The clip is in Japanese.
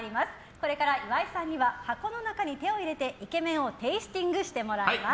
これから岩井さんには箱の中に手を入れてイケメンをテイスティングしてもらいます。